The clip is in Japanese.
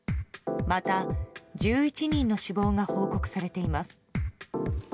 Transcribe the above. また、１１人の死亡が報告されています。